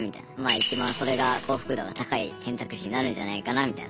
いちばんそれが幸福度が高い選択肢になるんじゃないかなみたいな。